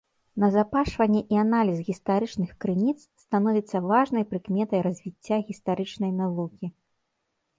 Назапашванне і аналіз гістарычных крыніц становіцца важнай прыкметай развіцця гістарычнай навукі.